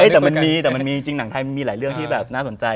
แต่มันมีจริงหนังไทยมันมีหลายเรื่องที่น่าสนใจ